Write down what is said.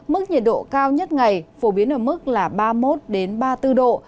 mức nhiệt độ cao nhất ngày phổ biến ở mức ba mươi một đến ba mươi bốn độ